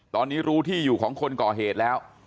ตอนนี้รู้ที่อยู่ของคนก่อเหตุแล้ว